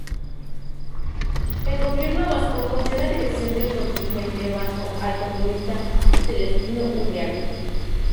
El Gobierno Vasco confió la dirección del contingente vasco al comunista Celestino Uriarte.